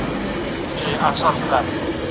حکومت له شتمنو خلګو مرسته غواړي.